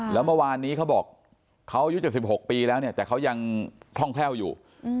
แล้วเมื่อวานนี้เขาบอกเขาอายุ๗๖ปีแล้วเนี่ยแต่เขายังคล่องแคล่วอยู่